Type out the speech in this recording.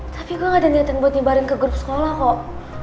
tapi gue gak ada niatan buat nyebarin ke grup sekolah kok